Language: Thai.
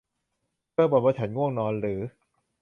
เธอบ่นว่า ฉันง่วงนอนหรือ